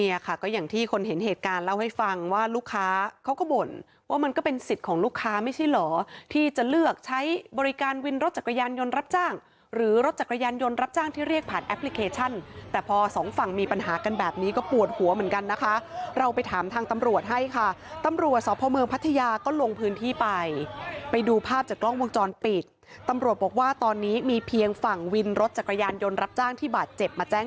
อย่างที่คนเห็นเหตุการณ์เล่าให้ฟังว่าลูกค้าเขาก็บ่นว่ามันก็เป็นสิทธิ์ของลูกค้าไม่ใช่เหรอที่จะเลือกใช้บริการวินรถจักรยานยนต์รับจ้างหรือรถจักรยานยนต์รับจ้างที่เรียกผ่านแอปพลิเคชันแต่พอสองฝั่งมีปัญหากันแบบนี้ก็ปวดหัวเหมือนกันนะคะเราไปถามทางตำรวจให้ค่ะตำรวจสพเมืองพัทยาก็ล